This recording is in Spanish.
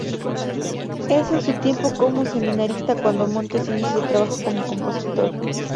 Es en su tiempo como seminarista cuando Montes inicia su trabajo como compositor.